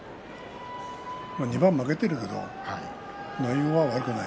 ２番負けているけれど内容は悪くない。